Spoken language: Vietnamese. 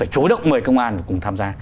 chối động mời công an cùng tham gia